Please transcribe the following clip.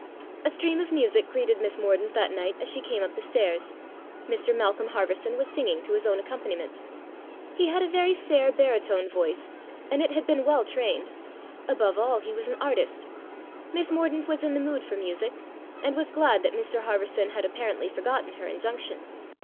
A stream of music greeted Miss Mordaunt that night as she came up the stairs. Mr Malcolm Harverson was singing to his own accompaniment. He had a very fair baritone voice, and it had been well trained. Above all, he was an artist. Miss Mordaunt was in the mood for music, and was glad that Mr Harverson had apparently forgotten her injunction.